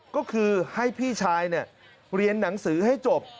ก็คือให้พี่ชายเรียนหนังสือให้จบ